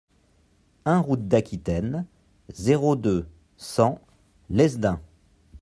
un route d'Aquitaine, zéro deux, cent Lesdins